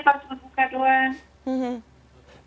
harus dibuka doang